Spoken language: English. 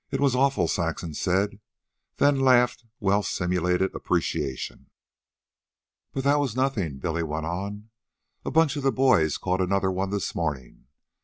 "It was awful," Saxon said, then laughed well simulated appreciation. "But that was nothin'," Billy went on. "A bunch of the boys caught another one this morning.